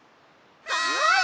はい！